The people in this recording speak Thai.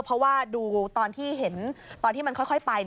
เพราะว่าดูตอนที่เห็นตอนที่มันค่อยไป